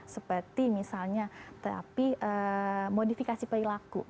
seperti misalnya terapi modifikasi perilaku